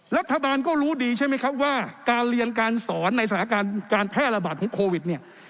รัฐบาลก็รู้ดีใช่ไหมครับว่าการเรียนการสอนในสถานการณ์การแพร่ระบาดของโควิดเนี่ย